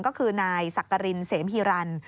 ก็คือนายสักกรินเสมฮีรัน